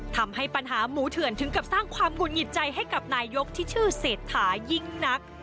ทำให้ปัญหาหมูเถื่อนถึงกับสร้างความหุ่นหงิดใจให้กับนายกที่ชื่อเศรษฐายิ่งนัก